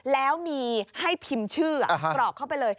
แล้วมีให้พิมพ์ชื่อกรอกเข้าไปเลย